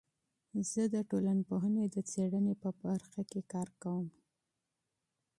زه د ټولنپوهنې د څیړنې په برخه کې کار کوم.